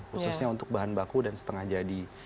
khususnya untuk bahan baku dan setengah jadi